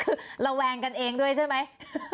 คือระแวงกันเองด้วยใช่ไหม